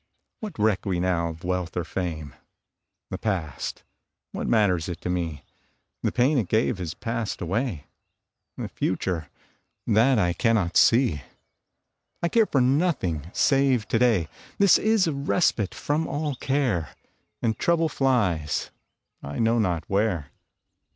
What reck we now of wealth or fame? The past what matters it to me? The pain it gave has passed away. The future that I cannot see! I care for nothing save to day This is a respite from all care, And trouble flies I know not where.